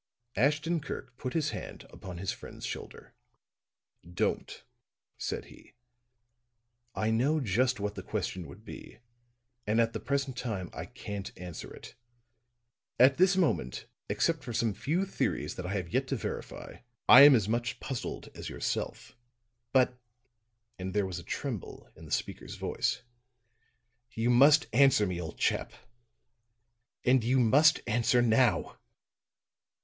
Ashton Kirk put his hand upon his friend's shoulder. "Don't," said he. "I know just what the question would be, and at the present time I can't answer it. At this moment, except for some few theories that I have yet to verify, I am as much puzzled as yourself." "But," and there was a tremble in the speaker's voice, "you must answer me, old chap and you must answer now."